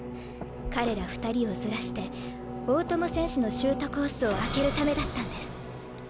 彼ら２人をずらして大友選手のシュートコースを空けるためだったんです。